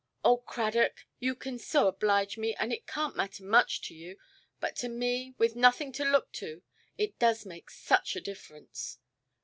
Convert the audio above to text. "Oh, Cradock, you can so oblige me, and it canʼt matter much to you. But to me, with nothing to look to, it does make such a difference".